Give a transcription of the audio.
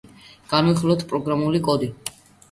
განვიხილოთ პროგრამული კოდი.